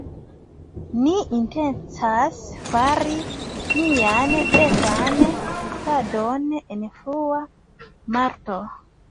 Ni intencas fari nian betan testadon en frua marto